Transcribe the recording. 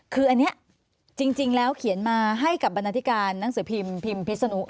คืออันนี้จริงแล้วเขียนมาให้กับบรรณาธิการหนังสือพิมพ์พิมพิษนุ